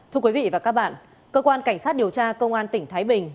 thưa quý vị và các bạn cơ quan cảnh sát điều tra công an tỉnh thái bình